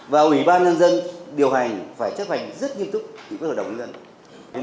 và ủy ban nhân dân điều hành phải chấp hành rất nghiêm túc với hội đồng nhân dân